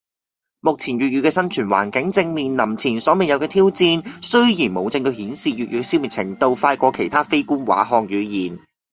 目前粵語嘅生存環境正面臨前所未有嘅挑戰，雖然冇證據顯示粵語嘅消滅程度快過其他非官話漢語言